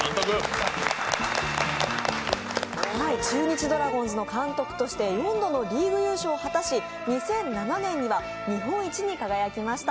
中日ドラゴンズの監督として４度のリーグ優勝を果たし２００７年には日本一に輝きました。